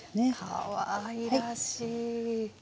かわいらしい。